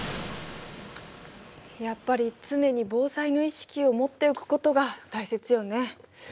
やっぱり常に防災の意識を持っておくことが大切よね。